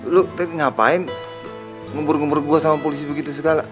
lu tadi ngapain ngubur ngubur gue sama polisi begitu segala